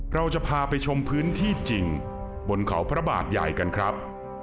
เราจะพาไปชมพื้นที่จริงบนเขาพระบาทใหญ่กันครับ